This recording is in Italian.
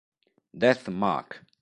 Death Mark